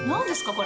これ。